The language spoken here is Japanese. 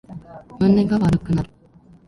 胸が悪くなる